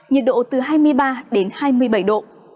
nhiệt độ từ hai mươi ba đến hai mươi bảy độ